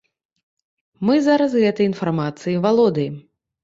Мы зараз гэтай інфармацыяй валодаем.